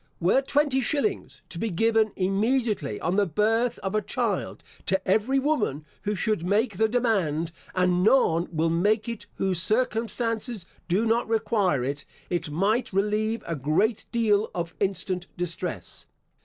Were twenty shillings to be given immediately on the birth of a child, to every woman who should make the demand, and none will make it whose circumstances do not require it, it might relieve a great deal of instant distress.